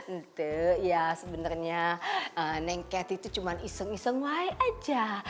itu ya sebenarnya neng cathy itu cuma iseng iseng aja